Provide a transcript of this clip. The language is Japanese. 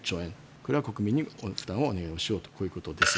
これは国民に負担をお願いしようとこういうことです。